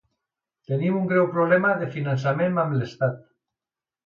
Tenim un greu problema de finançament amb l’estat.